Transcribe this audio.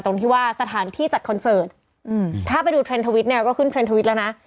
ตรงที่ว่าสถานที่จัดคอนเสิร์ตถ้าไปดูเทรนด์ทวิตเนี่ยก็ขึ้นเทรนดทวิตแล้วนะ